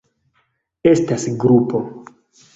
Estas grupo.